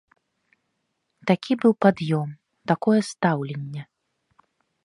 Такі быў пад'ём, такое стаўленне.